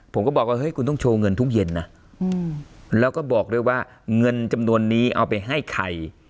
ผมก็บอกว่าเฮ้ยคุณต้องโชว์เงินทุกเย็นนะแล้วก็บอกด้วยว่าเงินจำนวนนี้เอาไปให้ใคร